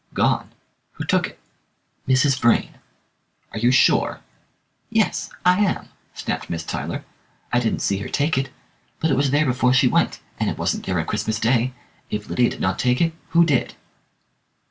"Gone! Who took it?" "Mrs. Vrain!" "Are you sure?" "Yes, I am!" snapped Miss Tyler. "I didn't see her take it, but it was there before she went, and it wasn't there on Christmas Day. If Lydia did not take it, who did?"